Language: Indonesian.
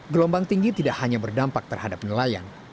gelombang tinggi tidak hanya berdampak terhadap nelayan